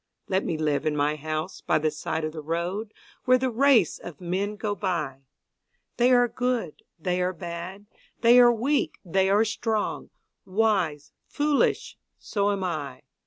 Let me live in my house by the side of the road, Where the race of men go by They are good, they are bad, they are weak, they are strong, Wise, foolish so am I.